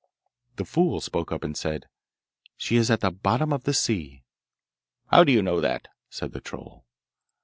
The fool spoke up and said, 'She is at the bottom of the sea.' 'How do you know that?' said the troll.